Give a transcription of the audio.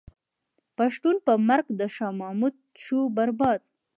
پښتون په مرګ د شاه محمود شو برباد.